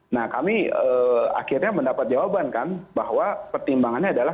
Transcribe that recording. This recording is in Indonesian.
nah kami akhirnya mendapat jawaban kan bahwa pertimbangannya adalah